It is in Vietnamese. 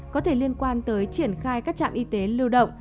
có thể liên quan tới triển khai các trạm y tế lưu động